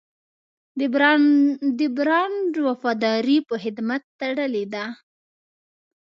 د برانډ وفاداري په خدمت تړلې ده.